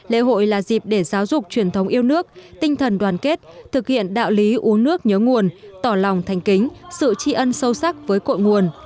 lễ hội là dịp để giáo dục truyền thống yêu nước tinh thần đoàn kết thực hiện đạo lý uống nước nhớ nguồn tỏ lòng thành kính sự tri ân sâu sắc với cội nguồn